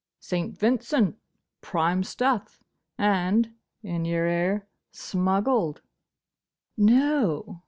"St. Vincent. Prime stuff: and—in your ear—smuggled!" "No!